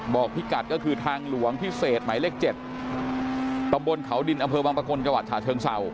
พิกัดก็คือทางหลวงพิเศษหมายเลข๗ตำบลเขาดินอำเภอวังประกลจังหวัดฉะเชิงเศร้า